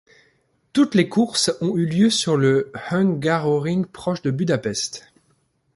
Toutes les courses ont eu lieu sur le Hungaroring proche de Budapest.